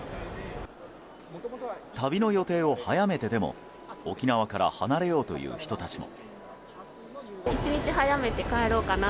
旅の予定を早めてでも沖縄から離れようという人たちも。